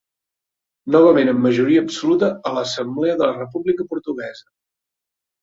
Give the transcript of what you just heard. Novament amb majoria absoluta a l'Assemblea de la República Portuguesa.